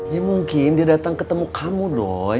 ya mungkin dia datang ketemu kamu dong